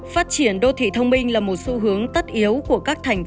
phát triển đô thị thông minh là một xu hướng tất yếu của các thành phố